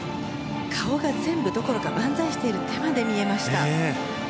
顔が全部どころか万歳している手まで見えました。